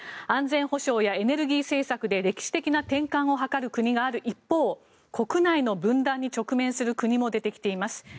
安全保障やエネルギー政策で歴史的な転換を図る国がある一方国内の分断に直面する国も出てきています。